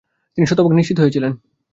তিনি শতভাগ নিশ্চিত হয়েছিলেন।